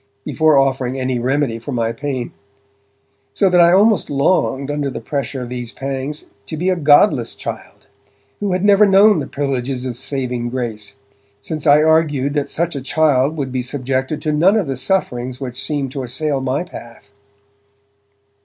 before offering any remedy for my pain. So that I almost longed, under the pressure of these pangs, to be a godless child, who had never known the privileges of saving grace, since I argued that such a child would be subjected to none of the sufferings which seemed to assail my path.